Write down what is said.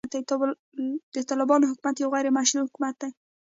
د طالبانو حکومت يو غيري مشروع حکومت دی.